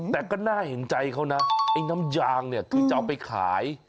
แต่ก็หน้าหิงใจเขานะไอ้น้ำยางจะเอาไปขาย